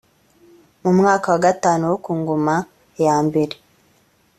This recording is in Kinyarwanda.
mu mwaka wa gatanu wo ku ngoma yambere